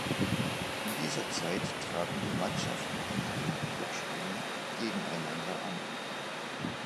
In dieser Zeit traten die Mannschaften in Hin- und Rückspielen gegeneinander an.